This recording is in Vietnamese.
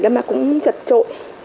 mà cũng chật trội